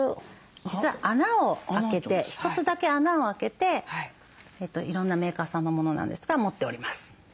実は穴を開けて１つだけ穴を開けていろんなメーカーさんのものなんですが持っております。